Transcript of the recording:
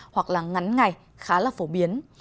hoặc là ngắn ngày khá là phổ biến